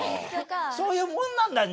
そういうもんなんだよ